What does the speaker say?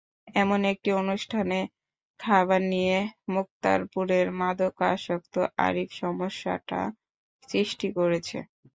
এমন একটি অনুষ্ঠানে খাবার নিয়ে মুক্তারপুরের মাদকাসক্ত আরিফ সমস্যাটা সৃষ্টি করেছে।